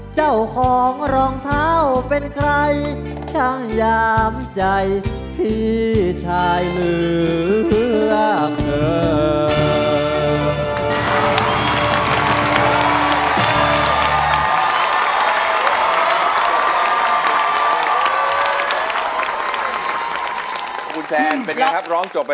เจ้าของรองเท้าเป็นใครช่างยามใจพี่ชายมือ